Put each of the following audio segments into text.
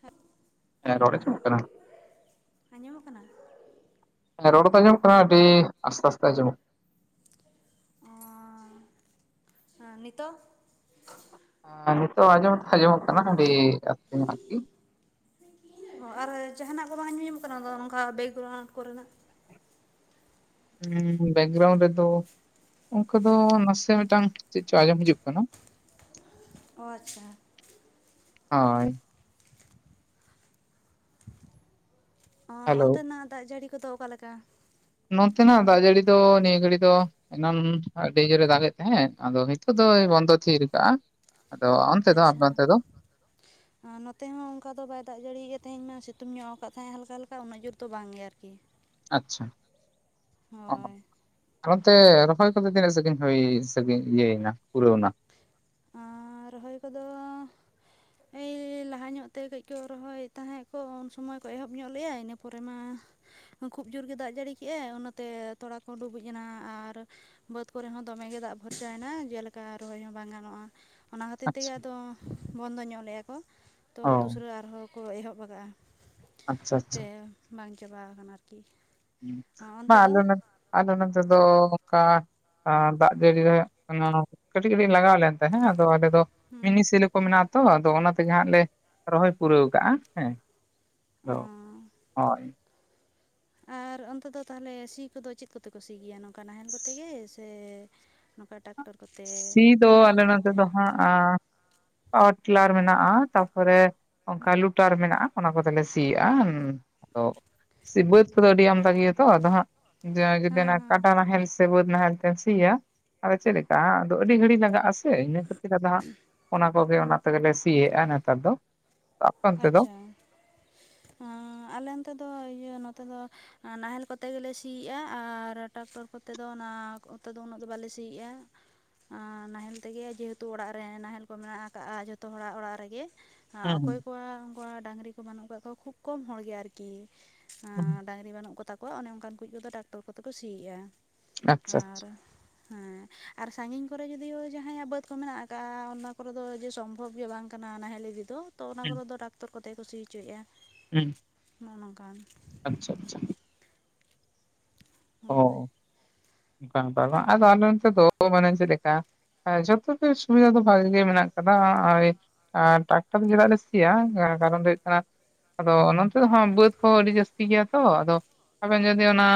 ᱦ [unintelligible] ᱮᱸ ᱨᱚᱲ ᱟᱸᱡᱚᱢᱚᱜ ᱠᱟᱱᱟ᱾ ᱟᱸᱡᱚᱢᱚᱜ ᱠᱟᱱᱟ᱾ ᱦᱮᱸ ᱨᱚᱲ ᱫᱚ ᱟᱸᱡᱚᱢᱚᱜ ᱠᱟᱱᱟ ᱟᱰᱤ ᱟᱥᱛᱮ- ᱟᱥᱛᱮ ᱟᱸᱡᱚᱢᱚᱜ ᱚᱸᱻ ᱦᱮᱸ ᱱᱤᱛᱚᱜ᱾ ᱱᱤᱛᱚᱜ ᱟᱸᱡᱚᱢ ᱫᱚ ᱟᱸᱡᱚᱢᱚᱜ ᱠᱟᱱᱟ ᱟᱰᱤ ᱟᱥᱛᱮᱹ ᱧᱚᱜ ᱟᱨᱠᱤ᱾ ᱚ ᱟᱨ ᱡᱟᱦᱟᱱᱟᱜ ᱠᱚ ᱵᱟᱝ ᱟᱧᱡᱩᱢᱚᱜ ᱠᱟᱱᱟ ᱚᱱᱠᱟ ᱵᱮᱜᱮᱨᱟᱩᱸᱰ ᱠᱚᱨᱮᱱᱟᱜ᱾ ᱦᱮᱸ ᱵᱮᱠᱜᱨᱟᱣᱩᱱᱰ ᱨᱮ ᱛᱚ, ᱚᱱᱠᱟ ᱫᱚ ᱱᱟᱥᱮ ᱢᱤᱫᱴᱟᱝ ᱪᱮᱫ ᱪᱚ ᱟᱸᱡᱚᱢ ᱦᱤᱡᱩᱜ ᱠᱟᱱᱟ᱾ ᱚ ᱟᱪᱪᱷᱟ᱾ ᱦᱳᱭ᱾ ᱦᱮᱞᱳ ᱚᱱᱛᱮᱱᱟᱜ ᱫᱟᱜ ᱡᱟᱹᱲᱤ ᱠᱚᱫᱚ ᱚᱠᱟᱞᱮᱠᱟ᱾ ᱱᱚᱛᱮᱱᱟᱜ ᱫᱟᱜ ᱡᱟᱹᱲᱤ ᱫᱚ ᱱᱤᱭᱟᱹ ᱜᱷᱟᱹᱲᱤ ᱫᱚ᱾ ᱮᱱᱟᱝ ᱟᱹᱰᱤ ᱡᱳᱨᱮ ᱫᱟᱜᱮᱫᱽ ᱛᱟᱦᱮᱸᱜ ᱟᱫᱚ ᱱᱤᱛᱚᱜ ᱫᱚᱭ ᱵᱚᱱᱫᱚ ᱛᱷᱤᱨ ᱟᱠᱟᱜᱼᱟ᱾ ᱟᱫᱚ ᱚᱱᱛᱮ ᱫᱚ ᱟᱯᱮ ᱚᱱᱛᱮᱫᱚ᱾ ᱮᱸ ᱱᱚᱛᱮ ᱦᱚᱸ ᱚᱱᱠᱟ ᱫᱚ ᱵᱟᱭ ᱫᱟᱜ ᱡᱟᱹᱲᱤᱭᱮ-ᱟ, ᱛᱮᱦᱮᱧ ᱢᱟ ᱥᱤᱛᱩᱝ ᱧᱚᱜ ᱟᱠᱟᱫᱽ ᱛᱟᱦᱮᱸᱜ ᱦᱟᱞᱠᱟ-ᱦᱟᱞᱠᱟ ᱩᱱᱟᱹᱜ ᱡᱩᱨ ᱫᱚ ᱵᱟᱝ ᱜᱮ ᱟᱨ ᱠᱤ᱾ ᱟᱪᱪᱷᱟ ᱚᱦᱚ᱾ ᱚᱱᱛᱮ ᱨᱚᱦᱚᱭ ᱠᱚᱫᱚ ᱛᱤᱱᱟᱹᱜ ᱥᱟᱹᱜᱤᱧ ᱦᱩᱭ ᱥᱮ, ᱤᱭᱟᱹᱭᱮᱱᱟ ᱯᱩᱨᱟᱹᱣ ᱮᱱᱟ᱾ ᱟᱸ ᱨᱚᱷᱚᱭ ᱠᱚᱫᱚ᱾ ᱮᱭᱻ ᱞᱟᱦᱟ ᱧᱚᱜ ᱛᱮ ᱠᱟᱹᱡᱽ ᱠᱚ ᱨᱚᱦᱚᱭᱮᱫ ᱛᱟᱦᱮᱸᱫ ᱠᱚ ᱩᱱ ᱥᱚᱢᱚᱭ ᱠᱚ ᱮᱦᱚᱵ ᱧᱚᱜ ᱞᱮᱜ-ᱟ ᱤᱱᱟᱹ ᱯᱚᱨᱮ ᱢᱟ᱾ ᱠᱷᱩᱵ ᱡᱳᱨ ᱜᱮ ᱫᱟᱜ ᱡᱟᱹᱲᱤ ᱠᱮᱫᱟ ᱚᱱᱟᱛᱮ ᱛᱚᱲᱟ ᱠᱚ ᱰᱩᱵᱩᱡ ᱮᱱᱟ, ᱟᱨ ᱵᱟᱹᱫᱽ ᱠᱚᱨᱮ ᱦᱚᱸ ᱫᱚᱢᱮ ᱜᱮ ᱫᱟᱜ ᱵᱷᱚᱨᱪᱟᱭᱮᱱᱟ ᱡᱮᱞᱮᱠᱟ ᱨᱚᱦᱚᱭ ᱦᱚᱸ ᱵᱟᱝᱼᱼ ᱚᱱᱟ ᱠᱷᱟᱹᱛᱤᱨ ᱛᱮᱜᱮ ᱟᱪᱪᱷᱟ ᱟᱫᱚ ᱵᱚᱱᱫᱚ ᱧᱚᱜ ᱞᱮᱭᱟ ᱠᱚ ᱛᱚ ᱚ ᱫᱚᱥᱨᱟ ᱟᱨᱦᱚᱸ ᱠᱚ ᱮᱦᱚᱵ ᱠᱟᱜᱼᱟ ᱟᱪᱪᱷᱟ ᱟᱪᱪᱷᱟ ᱛᱮ ᱵᱟᱝ ᱪᱟᱵᱟ ᱟᱠᱟᱱᱟ ᱟᱨᱠᱤ ᱾ ᱢᱟ ᱟᱞᱮ ᱱᱚᱛᱮ ᱟᱫᱚ ᱱᱚᱛᱮᱫᱚ ᱚᱱᱠᱟ ᱫᱟᱜ ᱡᱟᱹᱲᱤ ᱨᱮ ᱠᱟᱹᱴᱤᱡ ᱠᱟᱹᱴᱤᱡ ᱞᱟᱜᱟᱣ ᱞᱮᱱ ᱛᱟᱦᱮᱸ ᱟᱫᱚ ᱟᱞᱮ ᱫᱚ ᱦᱩᱸ ᱢᱤᱱᱤ ᱥᱮᱞᱚᱼᱼ ᱠᱚ ᱢᱮᱱᱟᱜᱼᱟ ᱛᱚ ᱟᱫᱚ ᱚᱱᱟ ᱛᱮᱜᱮ ᱦᱟᱸᱜ ᱞᱮ ᱨᱚᱦᱚᱭ ᱯᱩᱨᱟᱹᱣ ᱠᱟᱜᱼᱟ ᱦᱮᱸ ᱾ ᱚ ᱦᱳ ᱦᱳᱭ ᱾ ᱟᱨ ᱚᱱᱛᱮ ᱫᱚ ᱛᱟᱦᱚᱞᱮ ᱥᱤ ᱠᱚᱫᱚ ᱪᱮᱫ ᱠᱚᱛᱮ ᱠᱚ ᱥᱤ ᱜᱮᱭᱟ ᱱᱚᱝᱠᱟ ᱱᱟᱦᱮᱞ ᱠᱚᱛᱮ ᱜᱮ ᱥᱮ ᱱᱚᱝᱠᱟ ᱴᱟᱠᱴᱚᱨ ᱠᱚᱛᱮ ᱯᱟᱣᱟᱨ ᱴᱮᱞᱟᱨ ᱠᱚᱛᱮ ᱾ ᱟᱸ ᱯᱟᱣᱟᱨ ᱴᱮᱞᱟᱨ ᱢᱮᱱᱟᱜᱼᱟ ᱛᱟᱯᱚᱨᱮ ᱚᱱᱠᱟ ᱞᱩᱴᱟᱨ ᱢᱮᱱᱟᱜᱼᱟ ᱚᱱᱟ ᱠᱚᱛᱮᱞᱮ ᱥᱤ ᱮᱭᱟ ᱦᱮᱸ ᱛᱚ. ᱾ ᱥᱮ ᱵᱟᱹᱫᱽ ᱠᱚᱫᱚ ᱟᱹᱰᱤ ᱟᱢᱫᱟ ᱜᱮᱭᱟ ᱛᱚ ᱟᱫᱚ ᱦᱸᱟᱜ ᱦᱮᱸ ᱡᱟᱜᱮ [inaudible] ᱦᱮᱸ ᱠᱟᱴᱟ ᱱᱟᱦᱮᱞ ᱵᱟᱹᱫ ᱱᱟᱦᱮᱞ ᱛᱮᱢ ᱥᱤᱭᱟ ᱪᱮᱫ ᱞᱮᱠᱟ ᱟᱹᱰᱤ ᱜᱷᱟᱹᱲᱤ ᱞᱟᱜᱟᱜᱼᱟ ᱾ ᱥᱮ ᱤᱱᱟᱹ ᱠᱷᱟᱹᱛᱤᱨ ᱜᱮ ᱟᱫᱚ ᱦᱟᱸᱜ ᱚᱱᱟ ᱠᱚᱜᱮ ᱚᱱᱟ ᱛᱮᱜᱮᱞᱮ ᱥᱤᱭᱮᱫᱼᱟ ᱱᱮᱛᱟᱨ ᱫᱚ ᱾ ᱟᱪᱪᱷᱟ ᱾ ᱟᱞᱮ ᱱᱚᱛᱮ ᱫᱚ ᱤᱭᱟᱹ ᱱᱚᱛᱮ ᱫᱚ ᱱᱟᱦᱮᱞ ᱠᱚᱛᱮ ᱜᱮᱞᱮ ᱥᱤᱭᱮᱫᱼᱟ ᱟᱨ ᱴᱟᱠᱴᱚᱨ ᱠᱚᱛᱮ ᱫᱚ ᱚᱱᱟ ᱚᱛ ᱫᱚ ᱩᱱᱟᱹᱜ ᱫᱚ ᱵᱟᱞᱮ ᱥᱤᱭᱮᱫᱼᱟ ᱾ ᱱᱟᱦᱮᱞ ᱛᱮᱜᱮ ᱡᱮᱦᱮᱛᱩ ᱚᱲᱟᱜ ᱨᱮ ᱱᱟᱦᱮᱞ ᱠᱚ ᱢᱮᱱᱟᱜ ᱠᱟᱜᱼᱟ ᱡᱷᱚᱛᱚ ᱦᱚᱲᱟᱜ ᱚᱲᱟᱜ ᱨᱮᱜᱮ ᱾ ᱦᱩᱸ ᱦᱩᱸ ᱚᱠᱚᱭ ᱠᱚᱣᱟᱜ ᱩᱱᱠᱩ ᱰᱟᱝᱨᱤ ᱠᱚ ᱵᱟᱹᱱᱩᱜ ᱠᱟᱫ ᱠᱚᱣᱟ ᱠᱷᱩᱵ ᱠᱚᱢ ᱦᱚᱲ ᱜᱮ ᱟᱨᱠᱤ ᱾ ᱦᱩᱸ ᱟᱸᱻ ᱰᱟᱝᱨᱤ ᱵᱟᱹᱱᱩᱜ ᱠᱚᱛᱟ ᱠᱚᱣᱟ ᱚᱱᱮ ᱚᱱᱠᱟᱱ ᱠᱚ ᱠᱚᱫᱚ ᱴᱟᱠᱴᱚᱨ ᱠᱚᱛᱮ ᱠᱚ ᱥᱤᱭᱮᱫᱼᱟ ᱾ ᱟᱪᱪᱷᱟ ᱟᱨ ᱟᱪᱪᱷᱟ ᱾ ᱦᱮᱸ ᱟᱨ ᱥᱟᱜᱤᱧ ᱠᱚᱨᱮ ᱡᱩᱫᱤ ᱡᱟᱦᱟᱸᱭᱟᱜ ᱵᱟᱹᱫ ᱠᱚ ᱢᱮᱱᱟᱜ ᱟᱠᱟᱫ ᱚᱱᱟ ᱠᱚᱨᱮ ᱫᱚ ᱡᱮ ᱥᱚᱢᱵᱷᱚᱵ ᱜᱮ ᱵᱟᱝ ᱠᱟᱱᱟ ᱱᱟᱦᱮᱞ ᱤᱫᱚ ᱛᱚ ᱚᱱᱟ ᱠᱚᱨᱮᱫᱚ ᱴᱟᱠᱴᱚᱨ ᱠᱚᱛᱮᱜᱮ ᱥᱤ ᱚᱪᱚᱭᱮᱫᱼᱟ ᱾ ᱦᱮᱸ ᱾ ᱱᱚᱜᱚᱭ ᱱᱚᱝᱠᱟᱱ ᱾ ᱟᱪᱪᱷᱟ ᱟᱪᱪᱷᱟ ᱾ ᱚ ᱦᱳᱭ ᱚᱱᱠᱟ ᱚᱱᱠᱟ ᱵᱟᱝ ᱟᱫᱚ ᱟᱞᱮ ᱚᱱᱛᱮ ᱫᱚ [inaudible] ᱞᱮᱠᱟ ᱾ ᱦᱮᱸ ᱡᱷᱚᱛᱚ ᱛᱮ ᱥᱩᱵᱤᱫᱷᱟ ᱫᱚ ᱵᱷᱟᱜᱤ ᱢᱮᱱᱟᱜ ᱠᱟᱫᱟ ᱦᱚᱸᱜᱚᱭ ᱾ ᱴᱟᱠᱴᱟᱨ ᱫᱚ ᱪᱮᱫᱟᱜ ᱨᱤᱥᱠᱤᱭᱟ ᱠᱟᱨᱚᱱ ᱫᱚ ᱦᱩᱭᱩᱜ ᱠᱟᱱᱟ ᱟᱫᱚ ᱱᱚᱱᱛᱮ ᱦᱚ ᱵᱟᱹᱫᱽ ᱠᱚ ᱟᱹᱰᱤ ᱡᱟᱹᱥᱛᱤ ᱜᱮᱭᱟ ᱛᱚ ᱟᱫᱚ ᱟᱵᱤᱱ ᱡᱩᱫᱤ ᱚᱱᱟ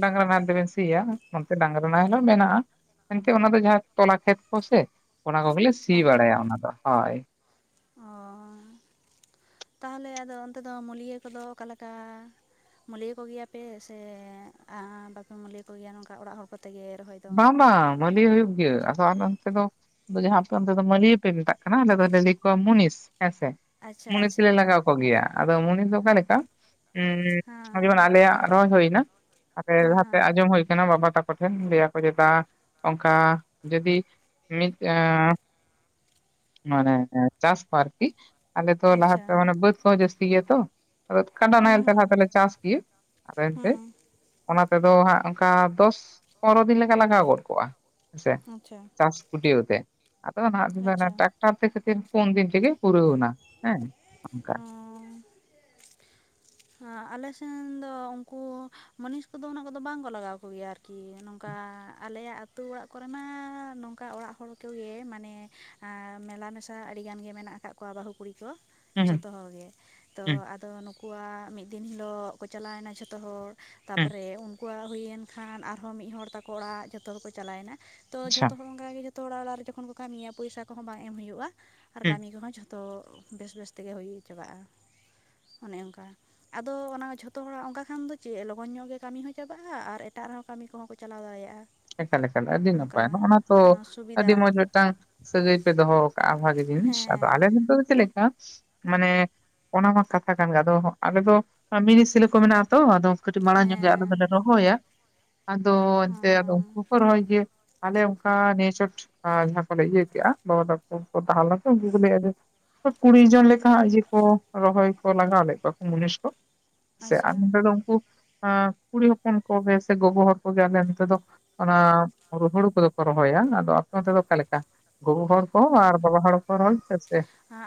ᱰᱟᱝᱨᱟ ᱱᱟᱦᱮᱞ ᱛᱮᱵᱮᱱ ᱥᱤᱭᱟ ᱚᱱᱛᱮ ᱰᱟᱝᱨᱟ ᱱᱟᱦᱮᱞ ᱦᱚ ᱢᱮᱱᱟᱜᱼᱟ ᱾ ᱮᱱᱛᱮ ᱚᱱᱟ ᱫᱚ ᱡᱟᱦᱟᱸ ᱛᱚᱞᱟ ᱠᱷᱮᱛ ᱠᱚᱥᱮ ᱚᱱᱟ ᱠᱚᱜᱮᱞᱮ ᱥᱤ ᱟᱪᱪᱷᱟ ᱵᱟᱲᱟᱭᱟ ᱚᱱᱟ ᱫᱚ ᱦᱳᱭ ᱚ ᱾ ᱛᱟᱦᱚᱞᱮ ᱟᱫᱚ ᱚᱱᱛᱮ ᱫᱚ ᱢᱩᱞᱭᱟᱹ ᱠᱚᱫᱚ ᱚᱠᱟᱞᱮᱠᱟ ᱾ ᱢᱩᱞᱤᱭᱟᱹ ᱠᱚᱜᱮᱭᱟᱯᱮ ᱥᱮ ᱟᱼᱵᱟᱯᱮ ᱢᱩᱞᱟᱹᱭ ᱠᱚᱜᱮᱭᱟ ᱱᱚᱝᱠᱟ ᱚᱲᱟᱜ ᱦᱚᱲ ᱾ ᱠᱚᱛᱮᱜᱮ ᱨᱚᱦᱚᱭ ᱫᱚ ᱵᱟᱝ ᱵᱟᱝ ᱢᱩᱞᱤᱭᱟᱹ ᱦᱩᱭᱩᱜ ᱜᱮ ᱟᱫᱚ ᱟᱞᱮ ᱚᱱᱛᱮ ᱫᱚ ᱟᱫᱚ ᱡᱟᱦᱟᱸ ᱟᱯᱮ ᱚᱱᱛᱮ ᱫᱚ ᱢᱩᱞᱤᱭᱟᱹ ᱯᱮ ᱢᱮᱛᱟᱜ ᱠᱟᱱᱟ ᱟᱞᱮ ᱫᱚᱞᱮ ᱞᱟᱹᱭ ᱠᱚᱣᱟ ᱢᱩᱱᱤᱥ ᱦᱮᱸᱥᱮ ᱾ ᱟᱪᱪᱷᱟ ᱢᱩᱱᱤᱥ ᱟᱪᱪᱷᱟ ᱞᱮ ᱞᱟᱜᱟᱣ ᱠᱚᱜᱮᱭᱟ ᱟᱫᱚ ᱢᱩᱱᱤᱥ ᱫᱚ ᱚᱠᱟ ᱞᱮᱠᱟ ᱩᱸ ᱡᱮᱢᱚᱱ ᱦᱮᱸ ᱟᱞᱮᱭᱟᱜ ᱨᱚᱦᱚᱭ ᱦᱩᱭᱱᱟ ᱟᱫᱚ ᱦᱮᱸ ᱞᱟᱦᱟᱛᱮ ᱦᱮᱸ ᱟᱸᱡᱚᱢ ᱦᱩᱭ ᱠᱟᱱᱟ ᱵᱟᱵᱟ ᱛᱟᱠᱚ ᱠᱚᱴᱷᱮᱱ ᱞᱟᱹᱭᱟᱠᱚ ᱡᱮᱠᱟ ᱪᱮᱫᱟ ᱚᱱᱠᱟ ᱡᱩᱫᱤ ᱢᱤᱫ ᱢᱟᱱᱮ ᱪᱟᱥ ᱠᱚ ᱟᱨᱠᱤ ᱟᱞᱮ ᱛᱚ ᱟᱪᱪᱷᱟ ᱞᱟᱦᱟᱛᱮ ᱢᱟᱱᱮ ᱵᱟᱹᱫ ᱠᱚᱦᱚᱸ ᱡᱟᱹᱥᱛᱤ ᱜᱮᱭᱟ ᱛᱚ ᱟᱫᱚ ᱠᱟᱰᱟ ᱦᱩᱸ ᱱᱟᱦᱮᱞ ᱛᱮ ᱦᱩᱸ ᱞᱟᱦᱟ ᱛᱮᱞᱮ ᱪᱟᱥ ᱜᱮ ᱾ ᱟᱫᱚ ᱮᱱᱛᱮᱫ ᱚᱱᱟ ᱛᱮᱫᱚ ᱦᱟᱸᱜ ᱚᱱᱠᱟ ᱫᱚᱥ ᱯᱚᱱᱨᱚ ᱫᱤᱱ ᱞᱮᱠᱟ ᱞᱟᱜᱟᱣ ᱜᱚᱫ ᱠᱚᱜᱼᱟ ᱾ ᱦᱮᱸᱥᱮ, ᱦᱩᱸ ᱟᱪᱪᱷᱟ ᱪᱟᱥ ᱜᱩᱴᱭᱟᱣᱛᱮ ᱟᱫᱚ ᱟᱪᱪᱷᱟ ᱱᱟᱦᱟᱜ [unintelligible] ᱴᱨᱟᱠ ᱴᱟᱨᱛᱮ ᱠᱷᱟᱹᱛᱤᱨ ᱯᱩᱱ ᱫᱤᱱ ᱛᱮᱜᱮ ᱯᱩᱨᱟᱹᱣᱱᱟ ᱦᱮᱸ ᱚᱱᱠᱟ, [inaudible] ᱦᱟᱸ ᱟᱞᱮ ᱥᱮᱱ ᱫᱚ ᱩᱱᱠᱩ ᱢᱟᱱᱤᱥ ᱠᱚᱫᱚ ᱩᱱᱟᱹᱜ ᱠᱚᱫᱚ ᱵᱟᱝᱠᱚ ᱞᱟᱜᱟᱣ ᱠᱚᱜᱮᱭᱟ ᱟᱨ ᱠᱤ ᱱᱚᱝᱠᱟ ᱟᱞᱮᱭᱟᱜ ᱟᱹᱛᱩ ᱚᱲᱟᱜ ᱠᱚᱨᱮ ᱢᱟ ᱱᱚᱝᱠᱟ ᱚᱲᱟᱜ ᱦᱚᱲ ᱠᱚᱜᱮ ᱢᱟᱱᱮ ᱟᱻ ᱢᱮᱞᱟ ᱢᱮᱥᱟ ᱟᱹᱰᱤ ᱜᱟᱱ ᱜᱮ ᱢᱮᱱᱟᱜ ᱟᱠᱟᱫ ᱠᱚᱣᱟ ᱵᱟᱹᱦᱩ ᱠᱩᱲᱤ ᱠᱚ ᱦᱩᱸ ᱦᱩᱸ ᱡᱷᱚᱛᱚ ᱦᱚᱲᱜ ᱜᱮ ᱛᱚ ᱦᱩᱸ ᱟᱫᱚ ᱱᱩ ᱠᱩᱣᱟᱜ ᱢᱤᱫ ᱫᱤᱱ ᱦᱤᱞᱳᱜ ᱠᱚ ᱪᱟᱞᱟᱣᱱᱟ ᱡᱷᱚᱛᱚ ᱦᱚᱲ ᱦᱩᱸ ᱛᱟᱯᱚᱨᱮ ᱩᱱ ᱠᱚᱣᱟᱜ ᱦᱩᱭᱮᱱ ᱠᱷᱟᱱ ᱟᱨᱦᱚᱸ ᱢᱤᱫ ᱦᱚᱲ ᱛᱟᱠᱚ ᱚᱲᱟᱜ ᱡᱷᱚᱛᱚ ᱦᱚᱲᱠᱚ ᱪᱟᱞᱟᱣᱮᱱᱟ ᱛᱚ ᱟᱪᱪᱷᱟ ᱡᱷᱚᱛᱚ ᱦᱚᱲ ᱚᱱᱠᱟᱜ ᱜᱮ ᱡᱷᱚᱛᱚ ᱦᱚᱲᱟᱜ ᱚᱲᱟᱜ ᱨᱮ ᱚᱱᱠᱟᱜᱮ ᱡᱚᱠᱷᱚᱱ ᱠᱚ ᱠᱟᱹᱢᱤᱭᱟ ᱯᱚᱭᱥᱟ ᱠᱚᱦᱚᱸ ᱵᱟᱝ ᱮᱢ ᱦᱩᱭᱩᱜᱼᱟ ᱟᱨ ᱦᱩᱸ ᱠᱟᱢᱤ ᱠᱚᱦᱚᱸ ᱡᱷᱚ ᱛᱚ ᱵᱮᱥ ᱵᱮᱥᱛᱮᱜᱮ ᱦᱩᱭ ᱪᱟᱵᱟᱜᱼᱟ ᱚᱱᱮ ᱚᱱᱠᱟ, ᱟᱫᱚ ᱚᱱᱟ ᱡᱷᱚᱛᱚ ᱦᱚᱲᱟᱜ ᱚᱱᱠᱟ ᱠᱷᱟᱱ ᱫᱚ ᱪᱮᱫ ᱞᱚᱜᱚᱱ ᱧᱚᱜ ᱜᱮ ᱠᱟᱹᱢᱤ ᱦᱚᱸ ᱪᱟᱵᱟᱜᱼᱟ ᱟᱨ ᱮᱴᱟᱜ ᱨᱮᱦᱚᱸ ᱠᱟᱹᱢᱤ ᱠᱚᱦᱚᱸ ᱠᱚ ᱪᱟᱞᱟᱣ ᱫᱟᱲᱮᱭᱟᱜᱼᱟ᱾ ᱮᱠᱟᱞ ᱮᱠᱟᱞ ᱟᱹᱰᱤ ᱚᱱᱠᱟ ᱱᱟᱯᱟᱭ ᱱᱚᱜᱼ ᱚᱱᱟ ᱛᱚ ᱟᱹᱰᱤ ᱥᱩᱵᱤᱫᱟ ᱢᱚᱸᱡᱽ ᱢᱤᱫᱴᱟᱝ ᱥᱟᱹᱜᱟᱹᱭ ᱯᱮ ᱫᱚᱦᱚᱣ ᱠᱟᱜᱼᱟ ᱵᱷᱟᱜᱤ ᱡᱤᱱᱤᱥ ᱟᱫᱚ ᱟᱞᱮ ᱦᱮᱸ ᱱᱚᱛᱮ ᱫᱚ ᱪᱮᱫ ᱞᱮᱠᱟ ᱢᱟᱱᱮ ᱚᱱᱟ ᱢᱟ ᱠᱟᱛᱷᱟ ᱠᱟᱱ ᱜᱮ ᱟᱫᱚ ᱟᱞᱮ ᱫᱚ ᱢᱤᱱᱤᱥᱤᱞᱟᱹ ᱠᱚ ᱢᱮᱱᱟᱜᱼᱟ ᱛᱚ ᱟᱫᱚ ᱠᱟᱹᱴᱤᱡ ᱢᱟᱲᱟᱝ ᱧᱚᱜ ᱜᱮ ᱟᱞᱮ ᱫᱚᱞᱮ ᱦᱮᱸ ᱨᱚᱦᱚᱭᱟ ᱟᱫᱚ ᱚ ᱮᱱᱛᱮ ᱟᱫᱚ ᱩᱱᱠᱩ ᱦᱚᱠᱚ ᱨᱚᱦᱚᱭ ᱜᱮᱭᱟ, ᱟᱞᱮ ᱚᱱᱠᱟ ᱱᱤᱭᱟᱹ ᱪᱷᱚᱴ ᱡᱟᱦᱟᱸ ᱠᱚᱞᱮ ᱤᱭᱟᱹ ᱠᱮᱜᱼᱟ ᱵᱟᱵᱟ ᱛᱟᱠᱚ ᱦᱚᱠᱚ ᱛᱟᱦᱮᱸ ᱞᱮᱱᱛᱮ ᱩᱱᱠᱩ ᱠᱚ ᱞᱟᱹᱭᱮᱜᱼᱟ ᱡᱮ ᱠᱩᱲᱤ ᱡᱚᱱ ᱞᱮᱠᱟ ᱦᱟᱸᱜ ᱤᱭᱟᱹ ᱠᱚ ᱨᱚᱦᱚᱭ ᱠᱚ ᱞᱟᱜᱟᱣ ᱞᱮᱫ ᱠᱚᱣᱟ ᱠᱚ ᱢᱩᱱᱤᱥ ᱠᱚ, ᱥᱮ ᱟᱪᱪᱷᱟ ᱟᱨ ᱱᱚᱛᱮ ᱫᱚ ᱩᱱᱠᱩ ᱠᱩᱲᱤ ᱦᱚᱯᱚᱱ ᱠᱚᱜᱮ ᱥᱮ ᱜᱚᱜᱚ ᱦᱚᱲ ᱠᱚᱜᱮ ᱟᱞᱮ ᱚᱱᱛᱮ ᱫᱚ ᱚᱱᱟ ᱦᱩᱬᱩ ᱠᱚᱫᱚ ᱠᱚ ᱨᱚᱦᱚᱭᱟ᱾ ᱟᱫᱚ ᱟᱯᱮ ᱚᱱᱚᱛ ᱫᱚ ᱚᱠᱟᱞᱮᱠᱟ ᱜᱚᱜᱚ ᱦᱚᱲ ᱠᱚ ᱟᱨ ᱵᱟᱵᱟ ᱦᱚᱲ ᱦᱚᱠᱚ ᱨᱚᱦᱚᱭᱟ ᱜᱮᱭᱟ ᱥᱮ?